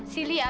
yaudah n gesek